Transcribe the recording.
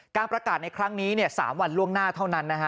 การประกาศในครั้งนี้๓วันล่วงหน้าเท่านั้นนะฮะ